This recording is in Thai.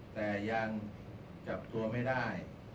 แต่ยังจับตัวไม่ได้